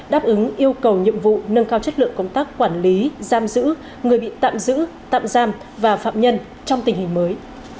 đáp ứng yêu cầu nhiệm vụ nâng cao chất lượng công tác quản lý giam giữ người bị tạm giữ tạm giam và phạm nhân trong tình hình mới